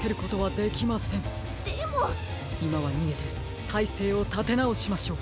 いまはにげてたいせいをたてなおしましょう。